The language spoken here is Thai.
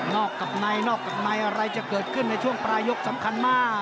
อกกับในนอกกับในอะไรจะเกิดขึ้นในช่วงปลายยกสำคัญมาก